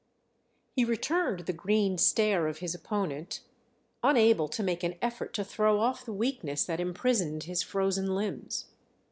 He returned the green stare of his opponent, unable to make an effort to throw off the weakness that imprisoned his frozen limbs.